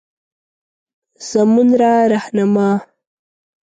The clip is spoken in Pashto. زمونره رهنما